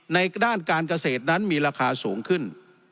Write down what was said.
ด้านการเกษตรนั้นมีราคาสูงขึ้น